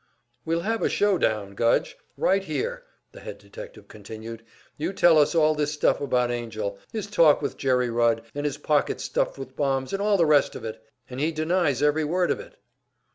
"We'll have a show down, Gudge, right here," the head detective continued. "You tell us all this stuff about Angell his talk with Jerry Rudd, and his pockets stuffed with bombs and all the rest of it and he denies every word of it."